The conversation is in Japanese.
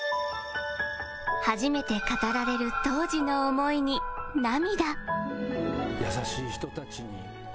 初めて語られる当時の思いに涙